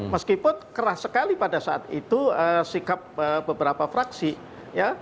meskipun keras sekali pada saat itu sikap beberapa fraksi ya